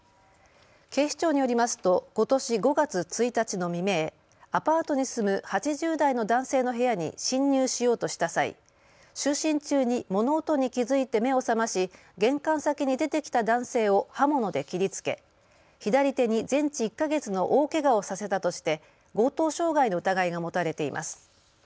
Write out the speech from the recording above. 警視庁によりますとことし５月１日の未明アパートに住む８０代の男性の部屋に侵入しようとした際、就寝中に物音に気付いて目を覚まし玄関先に出てきた男性を刃物で切りつけ左手に全治１か月の大けがをさせたとして強盗傷害の疑いが持たれています。